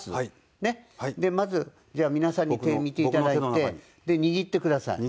まずじゃあ皆さんに手見て頂いて握ってください。